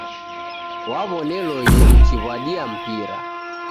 Waw'oneloghe ukiw'adia mpira.